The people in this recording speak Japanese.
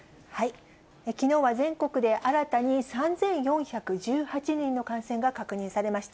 きのうは全国で新たに３４１８人の感染が確認されました。